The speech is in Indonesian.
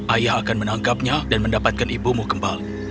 ayah akan menangkapnya dan mendapatkan ibumu kembali